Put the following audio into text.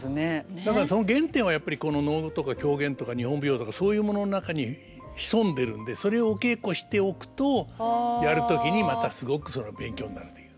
だからその原点はやっぱりこの能とか狂言とか日本舞踊とかそういうものの中に潜んでるんでそれお稽古しておくとやる時にまたすごく勉強になるという。